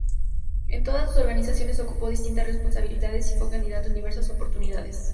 En todas esas organizaciones ocupó distintas responsabilidades y fue candidato en diversas oportunidades.